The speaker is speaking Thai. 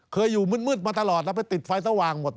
เคยอยู่มืดมาตลอดแล้วไปติดไฟสว่างหมด